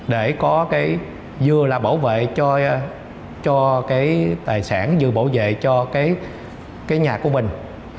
để có cái vừa là bảo vệ cho cái tài sản vừa bảo vệ cho cái nhà của mình